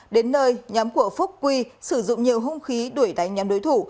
đến nơi nhóm của phúc quy sử dụng nhiều hung khí đuổi đánh nhóm đối thủ